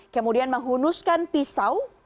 kemudian menghunuskan pisau